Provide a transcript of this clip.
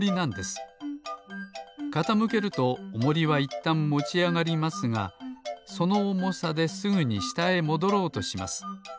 かたむけるとおもりはいったんもちあがりますがそのおもさですぐにしたへもどろうとします。